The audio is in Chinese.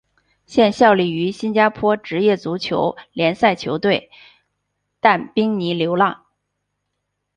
现效力于新加坡职业足球联赛球队淡滨尼流浪。